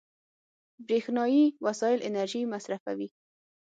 برېښنایي وسایل انرژي مصرفوي.